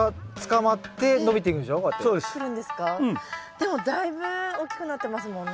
でもだいぶ大きくなってますもんね。